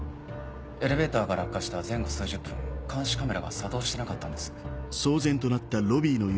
エレベーターが落下した前後数十分監視カメラが作動してなかったんです。